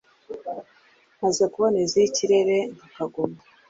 maze bukaboneza iy’ikirere nka kagoma